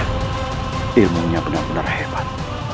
dia punya benar benar hebat